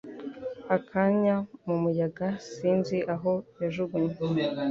Akanya mumuyaga (sinzi aho yajugunywe)